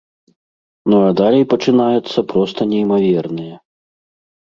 Ну а далей пачынаецца проста неймавернае.